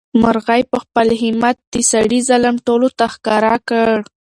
مرغۍ په خپل همت د سړي ظلم ټولو ته ښکاره کړ.